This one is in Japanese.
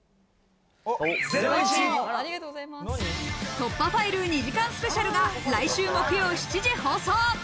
『突破ファイル』２時間スペシャルが来週木曜７時放送。